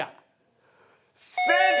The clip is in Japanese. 正解！